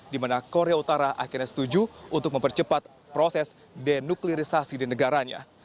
di mana korea utara akhirnya setuju untuk mempercepat proses denuklirisasi di negaranya